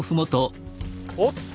おっと。